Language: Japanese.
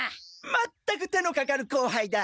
全く手のかかる後輩だ！